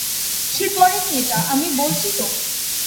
সে করেনি এটা।